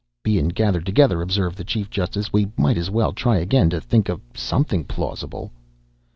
"Bein' gathered together," observed the chief justice, "we might as well try again to think of somethin' plausible."